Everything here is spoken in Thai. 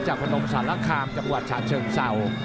พนมสารคามจังหวัดฉะเชิงเศร้า